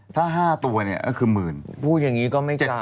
ถ้า๕ตัวเนี่ยก็คือหมื่นพูดอย่างนี้ก็ไม่เจอ